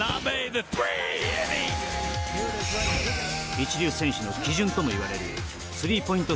一流選手の基準ともいわれるスリーポイント